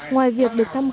ngoài việc được thăm khám